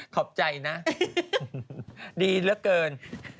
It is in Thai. ขอบใจนะดีเหลือเกิน